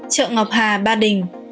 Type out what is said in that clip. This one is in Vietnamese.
trợ ngọc hà ba đình